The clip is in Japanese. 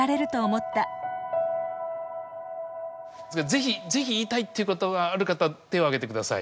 是非是非言いたいっていうことがある方手を挙げてください。